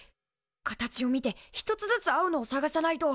形を見て１つずつ合うのを探さないと。